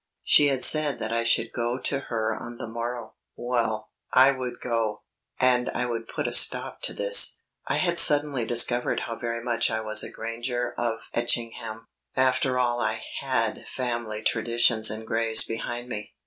She had said that I should go to her on the morrow. Well, I would go, and I would put a stop to this. I had suddenly discovered how very much I was a Granger of Etchingham, after all I had family traditions and graves behind me.